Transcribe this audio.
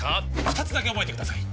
二つだけ覚えてください